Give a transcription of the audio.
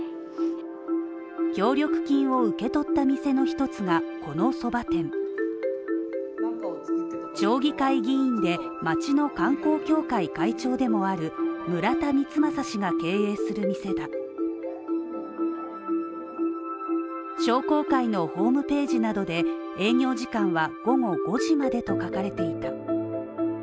協力金を受け取った店の一つがこのそば店町議会議員で、町の観光協会会長でもある村田光正氏が経営する店だ商工会のホームページなどで、営業時間は午後５時までと書かれていた。